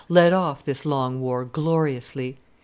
led off this long war gloriously.